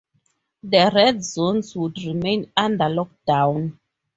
The red zones would remain under lockdown.